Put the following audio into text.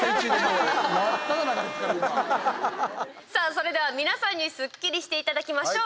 それでは皆さんにすっきりしていただきましょう。